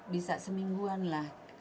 bisa semingguan lah